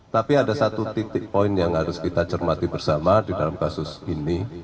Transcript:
tapi ada satu titik poin yang harus kita cermati bersama di dalam kasus ini